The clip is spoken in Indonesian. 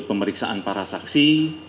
pemeriksaan para saksi